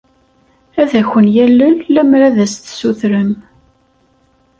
Ad ken-yalel lemmer ad as-tessutrem.